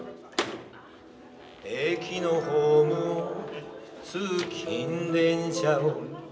「駅のホームを通勤電車を」